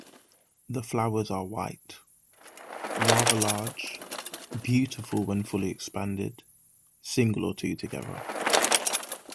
The flowers are white, rather large, beautiful when fully expanded, single or two together.